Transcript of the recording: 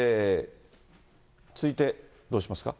続いてどうしますか？